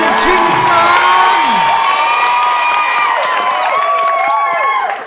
อื้อชิงหลาน